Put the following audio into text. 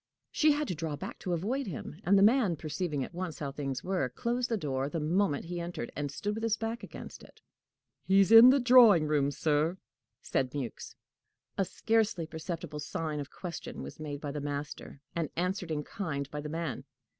She had to draw back to avoid him, and the man, perceiving at once how things were, closed the door the moment he entered, and stood with his back against it. "He's in the drawing room, sir," said Mewks. A scarcely perceptible sign of question was made by the master, and answered in kind by the man.